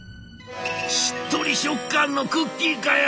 「しっとり食感のクッキーかよ！